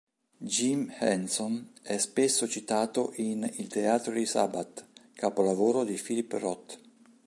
Jim Henson è spesso citato in Il teatro di Sabbath, capolavoro di Philip Roth.